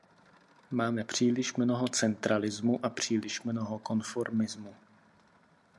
Máme příliš mnoho centralismu a příliš mnoho konformismu.